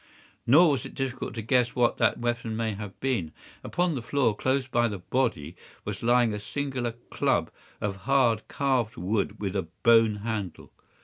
Nor was it difficult to guess what that weapon may have been. Upon the floor, close to the body, was lying a singular club of hard carved wood with a bone handle.